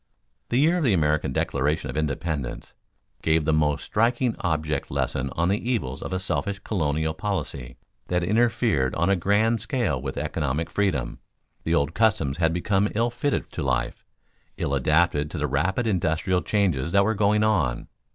The year of the American Declaration of Independence gave the most striking object lesson on the evils of a selfish colonial policy that interfered on a grand scale with economic freedom. The old customs had become ill fitted to life, ill adapted to the rapid industrial changes that were going on.